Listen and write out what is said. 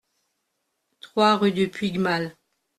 trois rue du Puigmal